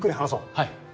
はい。